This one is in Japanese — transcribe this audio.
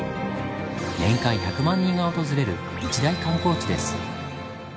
年間１００万人が訪れる一大観光地です。